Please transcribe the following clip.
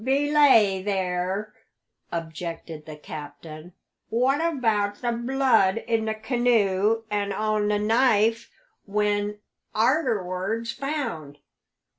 "Belay there!" objected the captain. "What about the blood in the canoe and on the knife when arterwards found?